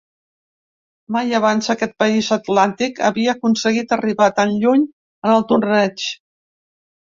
Mai abans aquest país atlàntic havia aconseguit arribar tan lluny en el torneig.